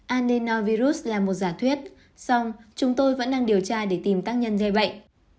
adenovirus là một giả thuyết xong chúng tôi vẫn đang điều tra để tìm tác nhân gây bệnh